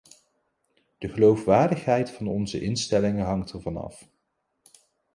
De geloofwaardigheid van onze instellingen hangt ervan af.